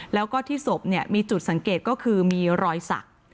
แล้วก็ที่ศพเนี่ยมีจุดสังเกตก็คือมีรอยศักดิ์